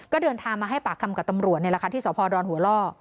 ก็เดินทางมาให้ปากคำกับตำรวจนี่แหละค่ะที่สพดหัวล่อ